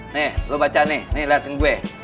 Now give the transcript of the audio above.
nih lu baca nih nih liat dengan gue